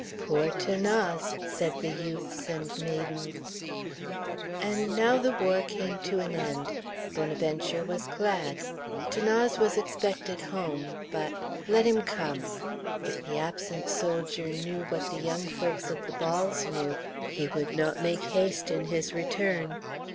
"Poor 'Thanase!" said the youths and maidens. And now the war came to an end. Bonaventure was glad. 'Thanase was expected home, but let him come. If the absent soldier knew what the young folks at the balls knew, he would not make haste in his return.